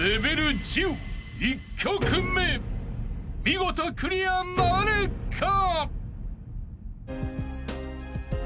［見事クリアなるか？］